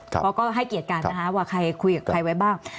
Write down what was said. เขาก็ให้เกียรติกันนะคะว่าใครคุยกับใครไว้บ้าง